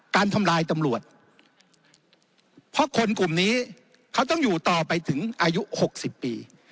ทำลายตำรวจเพราะคนกลุ่มนี้เขาต้องอยู่ต่อไปถึงอายุ๖๐ปี